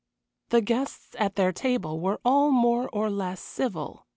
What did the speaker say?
The guests at their table were all more or less civil.